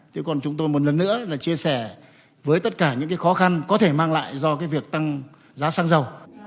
thế còn chúng tôi một lần nữa là chia sẻ với tất cả những cái khó khăn có thể mang lại do cái việc tăng giá xăng dầu